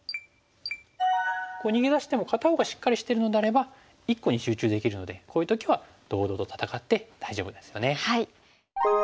逃げ出しても片方がしっかりしてるのであれば一個に集中できるのでこういう時は堂々と戦って大丈夫ですよね。